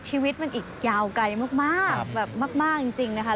ชีวิตมันอีกยาวไกลมากแบบมากจริงนะคะ